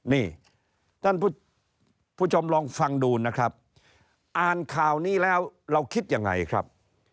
นี่ท่านผู้ชมลองฟังดูนะครับอ่านข่าวนี้แล้วเราคิดยังไงครับ